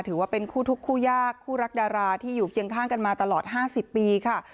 ถือว่าเป็นคู่ทุกคู่ยากคู่รักดาราที่อยู่เคียงข้างกันมาตลอด๕๐ปีค่ะ